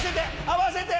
合わせて！